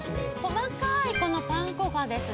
細かいこのパン粉がですね